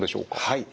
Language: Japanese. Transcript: はい。